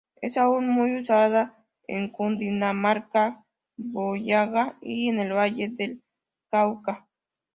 Es aún muy usada en Cundinamarca, Boyacá y en el Valle del Cauca.